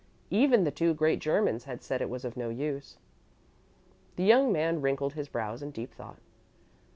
Even the two great Germans had said it was of no use. The young man wrinkled his brows in deep thought.